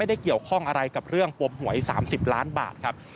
ได้เกี่ยวข้องอะไรกับเรื่องปวมหวย๓๐ล้านบาทครับ